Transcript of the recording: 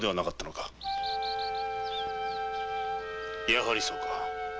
やはりそうか。